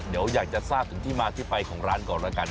เดี๋ยวอยากจะทราบถึงที่มาที่ไปของร้านก่อนแล้วกัน